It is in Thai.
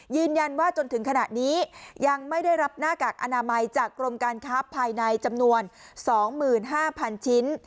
จนถึงขณะนี้ยังไม่ได้รับหน้ากากอนามัยจากกรมการค้าภายในจำนวน๒๕๐๐๐ชิ้น